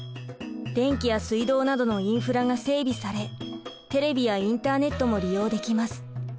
電気や水道などのインフラが整備されテレビやインターネットも利用できます。